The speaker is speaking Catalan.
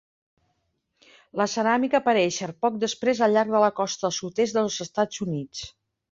La ceràmica aparèixer poc després al llarg de la costa del sud-est dels Estats Units.